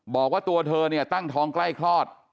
บอกว่าตัวเธอเนี่ยตั้งท้องใกล้คลอด